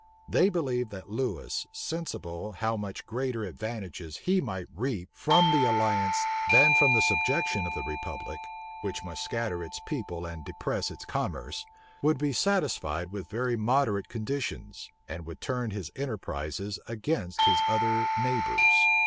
They believed that Lewis, sensible how much greater advantages he might reap from the alliance than from the subjection of the republic, which must scatter its people and depress its commerce, would be satisfied with very moderate conditions, and would turn his enterprises against his other neighbors.